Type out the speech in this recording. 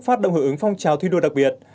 phát động hưởng ứng phong trào thi đua đặc biệt